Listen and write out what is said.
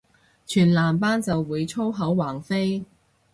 全男班就會粗口橫飛